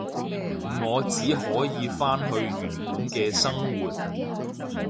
我只可以返去原本嘅生活